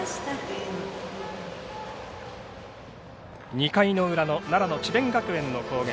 ２回の裏の奈良の智弁学園の攻撃。